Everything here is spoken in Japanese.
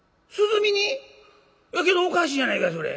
けどおかしいやないかいそれ。